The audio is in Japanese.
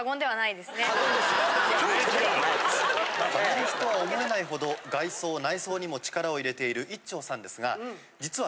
ファミレスとは思えないほど外装内装にも力を入れているいっちょうさんですが実は。